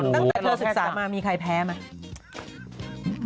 ตั้งแต่เธอศึกษามามีใครแพ้ไหม